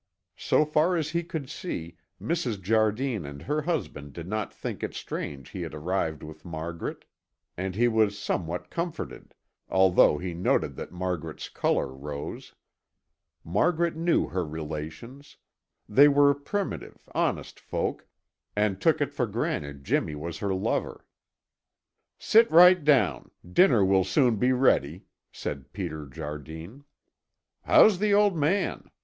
So far as he could see, Mrs. Jardine and her husband did not think it strange he had arrived with Margaret, and he was somewhat comforted, although he noted that Margaret's color rose. Margaret knew her relations. They were primitive, honest folk, and took it for granted Jimmy was her lover. "Sit right down. Dinner will soon be ready," said Peter Jardine. "How's the old man?